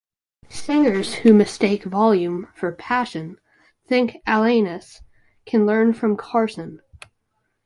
Singers who mistake volume for passion (think Alanis) can learn from Carson.